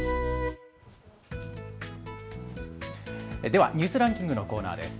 ではニュースランキングのコーナーです。